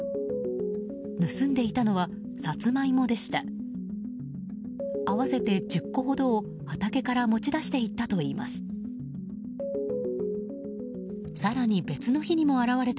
盗んでいたのはサツマイモでした。